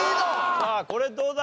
さあこれどうだ？